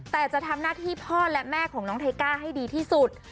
แต่จะทำหน้าที่พ่อและแม่ของน้องไทก้าให้ดีที่สุด